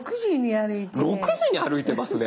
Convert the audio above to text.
６時に歩いてね。